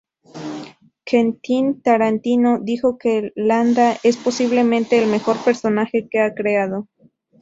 Quentin Tarantino dijo que Landa es posiblemente el mejor personaje que ha creado.